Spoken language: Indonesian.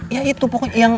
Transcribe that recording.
ya itu pokoknya